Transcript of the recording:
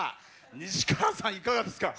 西川さん、いかがですか？